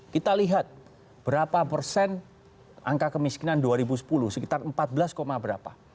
kita lihat berapa persen angka kemiskinan dua ribu sepuluh sekitar empat belas berapa